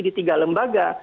di tiga lembaga